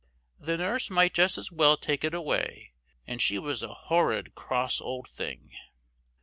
The nurse might just as well take it away, and she was a horrid cross old thing!